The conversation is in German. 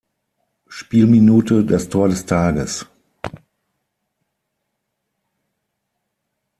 Spielminute das Tor des Tages.